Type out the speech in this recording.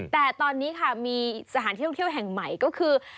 แต่ตอนนี้ค่ะมีสถานที่ท่องเที่ยวแห่งใหม่ก็คือ